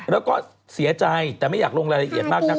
แล้วก็เสียใจแต่ไม่อยากลงรายละเอียดมากนัก